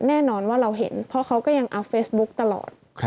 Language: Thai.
แน่นอนว่าเราเห็นเพราะเขาก็ยังอัพเฟซบุ๊คตลอด